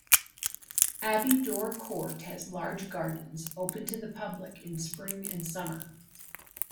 Abbey Dore Court has large gardens open to the public in spring and summer.